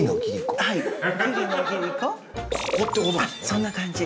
そんな感じ